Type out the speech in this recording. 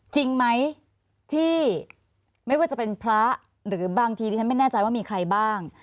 จริงไหมที่ไม่ว่าจะเป็นพระหรือบางทีที่ฉันไม่แน่ใจว่ามีใครบ้าง